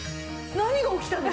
何が起きたの？